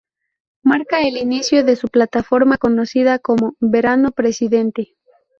Marca el inicio de su plataforma conocida como "Verano Presidente".